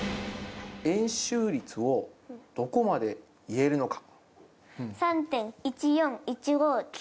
円周率をどこまで言えるのか？